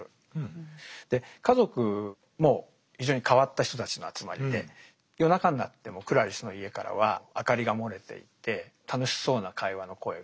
で家族も非常に変わった人たちの集まりで夜中になってもクラリスの家からは明かりが漏れていて楽しそうな会話の声が。